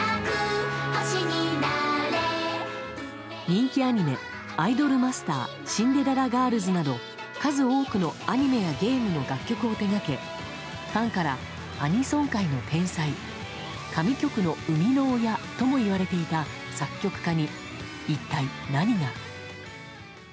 人気アニメ「アイドルマスターシンデレラガールズ」など数多くのアニメやゲームの楽曲を手掛けファンから、アニソン界の天才神曲の生みの親とも言われていた作曲家に一体、何が。